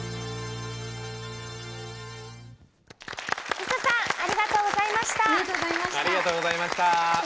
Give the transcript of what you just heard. ＬｉＳＡ さんありがとうございました！